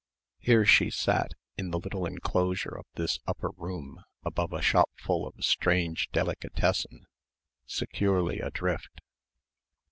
Here she sat, in the little enclosure of this upper room above a shopful of strange Delikatessen, securely adrift.